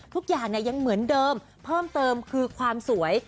ทุกอย่างยังเหมือนเดิมเพิ่มเติมคือความสวย